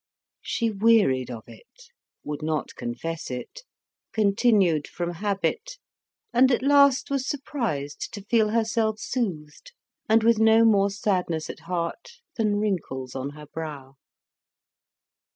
She wearied of it, would not confess it, continued from habit, and at last was surprised to feel herself soothed, and with no more sadness at heart than wrinkles on her brow.